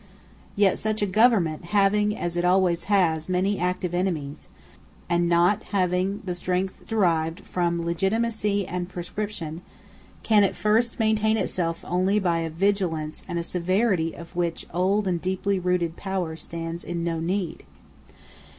Yet such a government, having, as it always has, many active enemies, and not having the strength derived from legitimacy and prescription, can at first maintain itself only by a vigilance and a severity of which old and deeply rooted power stands in no need.